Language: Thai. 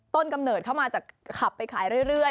กำเนิดเข้ามาจากขับไปขายเรื่อย